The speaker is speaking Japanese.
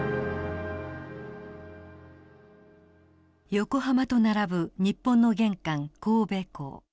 横浜と並ぶ日本の玄関神戸港。